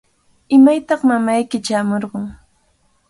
¿Imaytaq mamayki chaamurqun?